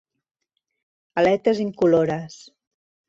Aletes incolores.